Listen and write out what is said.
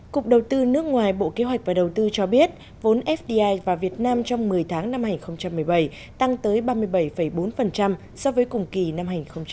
cục đầu tư nước ngoài bộ kế hoạch và đầu tư cho biết vốn fdi vào việt nam trong một mươi tháng năm hai nghìn một mươi bảy tăng tới ba mươi bảy bốn so với cùng kỳ năm hai nghìn một mươi bảy